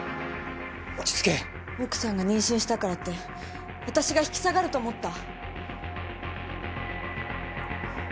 奥さんが妊娠したからって私が引き下がると思った？